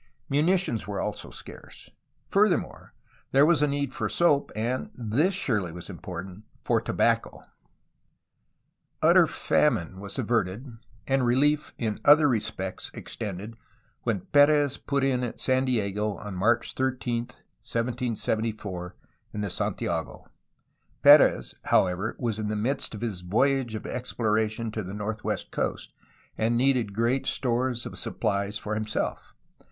Munitions were also scarce. Further more, there was a need fcTr soap and — this surely was im portant— for tobacco! 284 A HISTORY OF CALIFORNIA Utter famine was averted and relief in other respects ex tended when P6rez put in at San Diego on March 13, 1774, ' in the Santiago, P6rez, however, was in the midst of his voyage of exploration to the northwest coast, and needed great stores of supphes for himself.